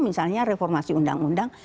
misalnya reformasi undang undang